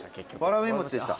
わらびもちでした。